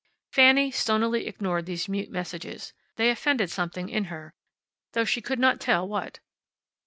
Fanny stonily ignored these mute messages. They offended something in her, though she could not tell what.